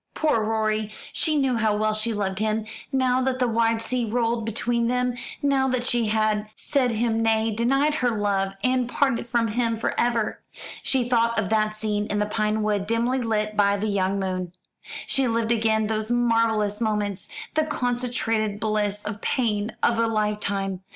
Poor Rorie! She knew how well she loved him, now that the wide sea rolled between them, now that she had said him nay, denied her love, and parted from him for ever. She thought of that scene in the pine wood, dimly lit by the young moon. She lived again those marvellous moments the concentrated bliss and pain of a lifetime.